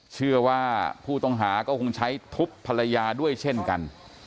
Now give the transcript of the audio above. เชื่อว่าผู้ต้องหาก็คงใช้ทุบภรรยาด้วยเช่นกัน